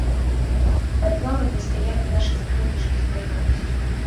Пад лавамі стаялі нашы скрыначкі з маёмасцю.